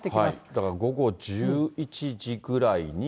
だから午後１１時ぐらいに。